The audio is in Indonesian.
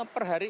per hari ini